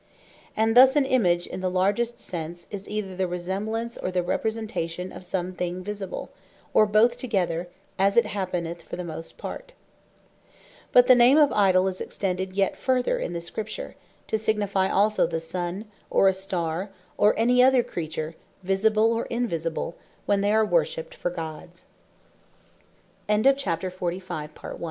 And thus an Image in the largest sense, is either the Resemblance, or the Representation of some thing Visible; or both together, as it happeneth for the most part. But the name of Idoll is extended yet further in Scripture, to signifie also the Sunne, or a Starre, or any other Creature, visible or invisible, when they are